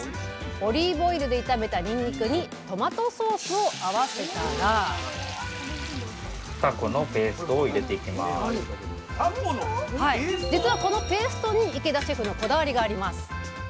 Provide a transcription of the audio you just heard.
オリーブオイルで炒めたにんにくにトマトソースを合わせたら実はこのペーストに池田シェフのこだわりがあります。